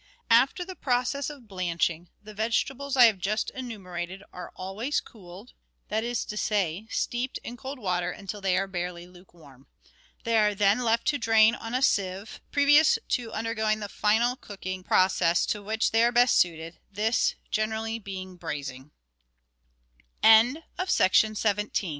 After the process of blanching, the vegetables I have just enumerated are always cooled — that is to say, steeped in cold water until they are barely lukewarm. They are then left to drain on a sieve, previous to undergoing the final cooking process to which they are best suited, this gen